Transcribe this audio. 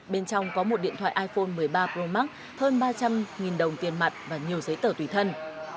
bên trong có một điện thoại iphone một mươi ba pro max hơn ba trăm linh đồng tiền mặt và nhiều giấy tờ tùy thân